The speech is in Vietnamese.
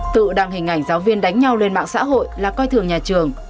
tự đăng hình ảnh giáo viên đánh nhau lên mạng xã hội là coi thường nhà trường